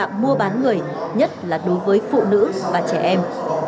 trong tình trạng mua bán người nhất là đối với phụ nữ và trẻ em